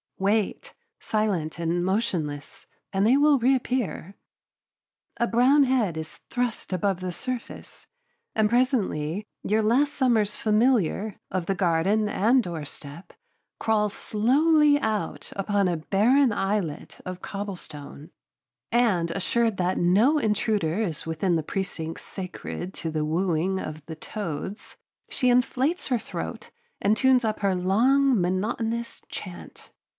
Wait, silent and motionless, and they will reappear. A brown head is thrust above the surface, and presently your last summer's familiar of the garden and doorstep crawls slowly out upon a barren islet of cobble stone, and, assured that no intruder is within the precincts sacred to the wooing of the toads, she inflates her throat and tunes up her long, monotonous chant.